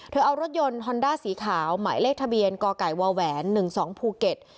เอารถยนต์ฮอนด้าสีขาวหมายเลขทะเบียนกไก่วแหวน๑๒ภูเก็ต